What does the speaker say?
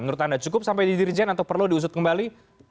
menurut anda cukup sampai didirijen atau perlu diusut kembali